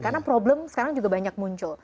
karena problem sekarang juga banyak muncul